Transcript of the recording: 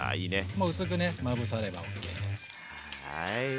もう薄くねまぶさればＯＫ。